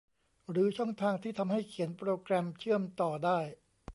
หรือช่องทางที่ทำให้เขียนโปรแกรมเชื่อมต่อได้